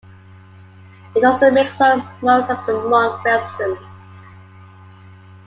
It also makes up most of the monk residences.